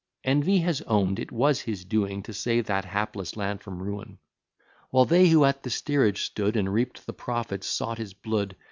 Envy has own'd it was his doing, To save that hapless land from ruin; While they who at the steerage stood, And reap'd the profit, sought his blood.